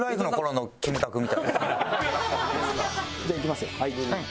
じゃあいきますよ。